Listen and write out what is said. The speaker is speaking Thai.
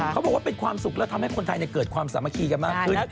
เขาบอกว่าเป็นความสุขแล้วทำให้คนไทยเกิดความสามัคคีกันมากขึ้น